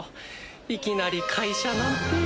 いきなり会社なんて。